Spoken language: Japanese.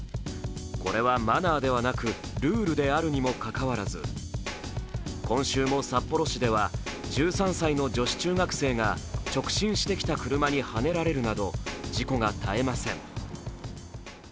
これはマナーではなくルールであるにもかかわらず今週も札幌市では１３歳の女子中学生が直進してきた車にはねられるなど事故が絶えません。